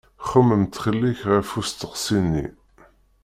Xemmem ttxil-k ɣef usteqsi-nni.